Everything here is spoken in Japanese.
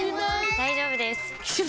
大丈夫です！